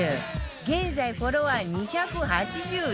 現在フォロワー２８１万人！